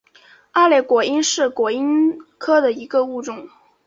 二裂果蝇是果蝇科的一个物种。